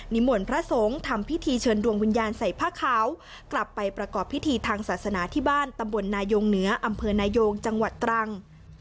มนต์พระสงฆ์ทำพิธีเชิญดวงวิญญาณใส่ผ้าขาวกลับไปประกอบพิธีทางศาสนาที่บ้านตำบลนายงเหนืออำเภอนายงจังหวัดตรัง